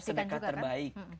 konsep sedekah terbaik